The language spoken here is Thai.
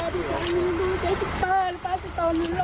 ป๊าพี่ป๊าตอนนี้มองชมดูภาพที่ใกล้